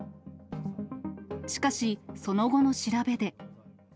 しかしその後の調べで。